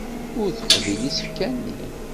Ur teqbil isefka-nni.